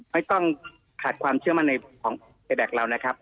ไม่ต้องขาดความเชื่อมั่นในของเสียแดคเรานะครับ